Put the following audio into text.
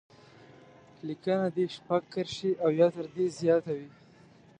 لیکنه دې شپږ کرښې او یا تر دې زیاته وي.